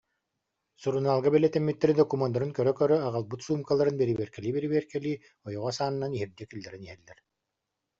Сурунаалга бэлиэтэммиттэри докумуоннарын көрө-көрө, аҕалбыт суумкаларын бэрэбиэркэлии-бэрэбиэркэлии, ойоҕос аанынан иһирдьэ киллэрэн иһэллэр